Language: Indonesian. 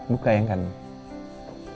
buka yang kanan